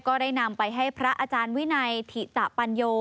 ก็ได้นำไปให้พระอาจารย์วินัยถิตะปัญโย